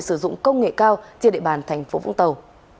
sử dụng công nghệ cao trên địa bàn tp vũng tàu